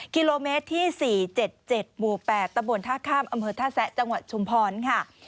กิโลเมตรที่๔๗๗หมู่๘ตะบนท่าข้ามอำเภอท่าแซะจังหวัดชุมพรค่ะ